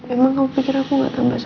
emang kamu pikir aku gak tambah stres